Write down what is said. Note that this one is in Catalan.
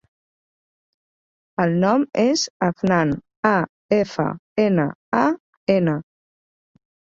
El nom és Afnan: a, efa, ena, a, ena.